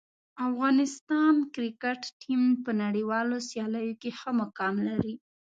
افغانستان کرکټ ټیم په نړیوالو سیالیو کې ښه مقام لري.